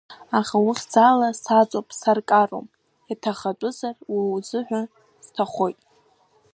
Аха ухьӡала саҵоуп, саркаром, иҭахатәызар, уа узыҳәа сҭахоит.